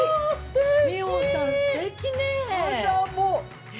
◆美穂さん、すてきねえ！